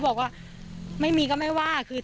ก็กลายเป็นว่าติดต่อพี่น้องคู่นี้ไม่ได้เลยค่ะ